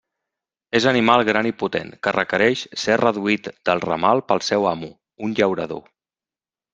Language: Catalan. És animal gran i potent que requereix ser reduït del ramal pel seu amo, un llaurador.